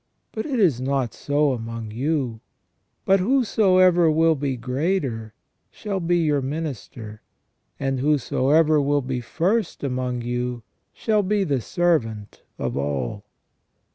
But it is not so among you ; but whosoever will be greater, shall be your minister, and whosoever will be first among you, shall be the servant of all."